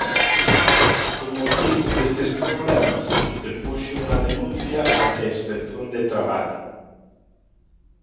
Con motivo destes problemas, interpuxo unha denuncia ante a Inspección de Traballo.